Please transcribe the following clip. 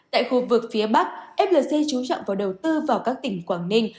tại khu vực phía bắc flc trú trọng vào đầu tư vào các tỉnh quảng ninh